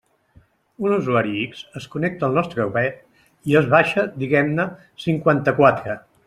Un usuari X es connecta al nostre web i es baixa, diguem-ne, cinquanta-quatre.